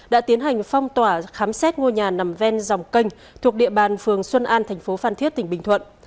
đã tiến hành phong tỏa khám xét ngôi nhà nằm ven dòng kênh thuộc địa bàn phường xuân an thành phố phan thiết tỉnh bình thuận